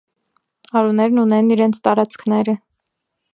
Արուներն ունեն իրենց տարածքները։